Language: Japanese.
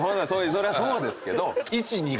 そりゃそうですけど。